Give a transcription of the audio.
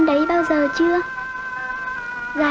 cây gối của mẹ